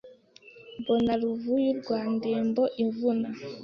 Mbona Ruvubu rwa ndembo ivuna